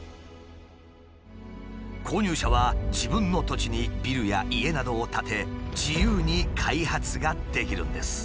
購入者は自分の土地にビルや家などを建て自由に開発ができるんです。